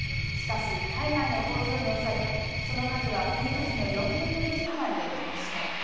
しかし海外の工場に押されその数はピーク時の４分の１にまで減少。